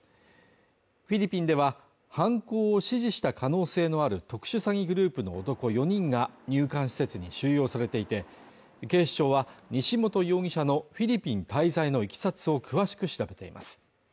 フィリピンでは犯行を指示した可能性のある特殊詐欺グループの男４人が入管施設に収容されていて警視庁は西本容疑者のフィリピン滞在の経緯を詳しく調べています